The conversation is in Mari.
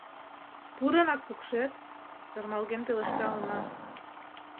— Пурынак пукшет? — ӧрмалген пелешта уна.